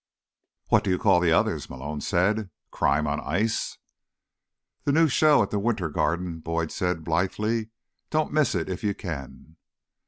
"What do you call the others?" Malone said. "Crime on ice?" "The new show at the Winter Garden," Boyd said blithely. "Don't miss it if you can."